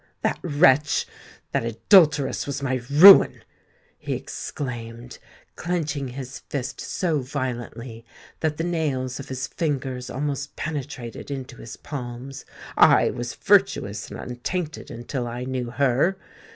"That wretch—that adulteress was my ruin!" he exclaimed, clenching his fist so violently that the nails of his fingers almost penetrated into his palms. "I was virtuous and untainted until I knew her.